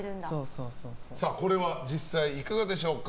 これは実際いかがでしょうか？